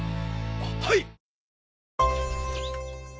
はい！